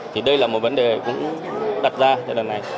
thì đây là một vấn đề cũng đặt ra tại lần này